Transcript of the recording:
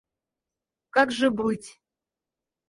Как же быть?